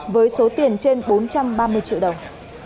với số tiền trên bốn trăm ba mươi triệu đồng